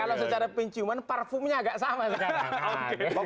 kalau secara penciuman parfumnya agak sama sekarang